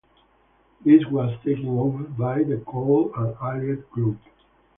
This was taken over by the Coal and Allied Group.